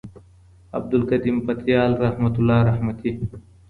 عبدالقديم پتيال رحمت الله رحمتي